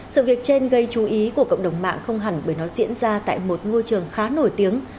sự việc trên gây chú ý của cộng đồng mạng không hẳn bởi nó diễn ra tại một ngôi trường khá nổi tiếng